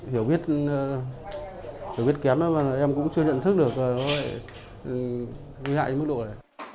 hiểu biết kém em cũng chưa nhận thức được vui hại đến mức độ này